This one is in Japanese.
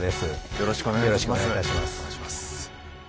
よろしくお願いします。